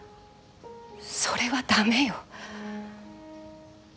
それは駄目よ。